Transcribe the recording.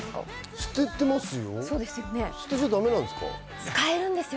捨ててますよ。